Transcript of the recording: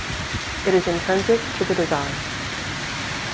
It is intrinsic to the design.